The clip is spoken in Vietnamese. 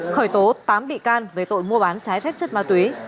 khởi tố tám bị can về tội mua bán trái phép chất ma túy